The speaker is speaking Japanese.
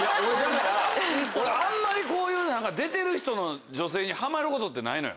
俺あんまり出てる人の女性にハマることってないのよ。